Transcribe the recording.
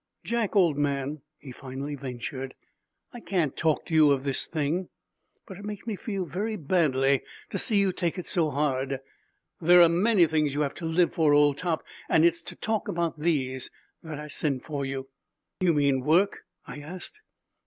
"Jack, old man," he finally ventured. "I can't talk to you of this thing. But it makes me feel very badly to see you take it so hard. There are many things you have to live for, old top, and it is to talk about these that I sent for you." "You mean work?" I asked.